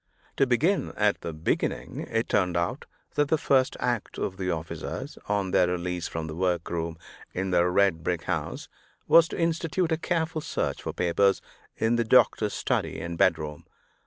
To begin at the beginning, it turned out that the first act of the officers, on their release from the workroom in the red brick house, was to institute a careful search for papers in the doctor's study and bedroom.